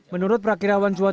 menurut prakirawan suatu